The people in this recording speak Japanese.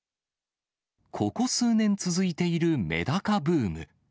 ここ数年続いているメダカブーム。